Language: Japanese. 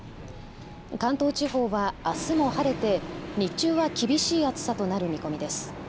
関東地方はあすも晴れて日中は厳しい暑さとなる見込みです。